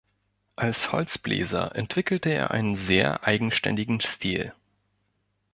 Als Holzbläser entwickelte er einen sehr eigenständigen Stil.